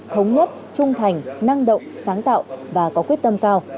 thống nhất trung thành năng động sáng tạo và có quyết tâm cao